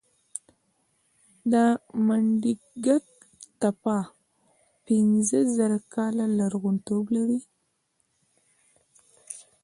د منډیګک تپه پنځه زره کاله لرغونتوب لري